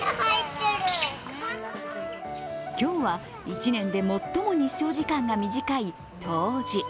今日は１年で最も日照時間が短い冬至。